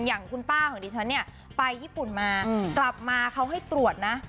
อย่างคุณป้าของดิฉันเนี่ยไปญี่ปุ่นมากลับมาเขาให้ตรวจนะ